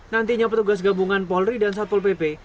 nantinya petugas gabungan polri dan satpol pp